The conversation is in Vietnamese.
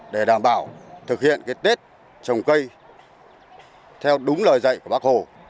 cái tết trồng cây theo đúng lời dạy của bác hồ